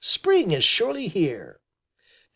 Spring is surely here." V.